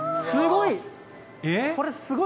すごい！